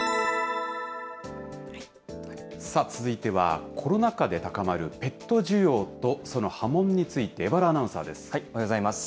続いては、コロナ禍で高まるペット需要とその波紋について、おはようございます。